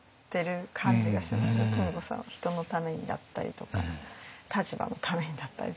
富子さんは人のためにだったりとか立場のためにだったりとか。